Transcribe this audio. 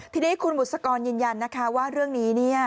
ทีนี้คุณบุษกรยืนยันนะคะว่าเรื่องนี้เนี่ย